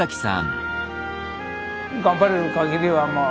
頑張れるかぎりはまあ